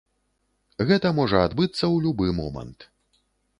Гэта можа адбыцца ў любы момант.